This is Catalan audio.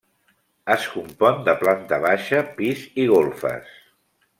Es compon de planta baixa, pis i golfes.